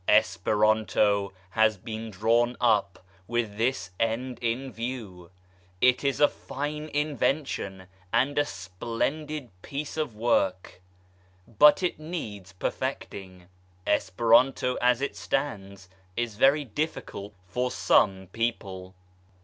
Esperanto has been drawn up with this end in view : it is a fine indention and a splendid piece of work, but it needs perfecting. Esperanto as it stands is very difficult for some people.